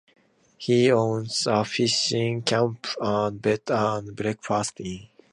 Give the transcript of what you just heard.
He owns a fishing camp and a bed-and-breakfast inn.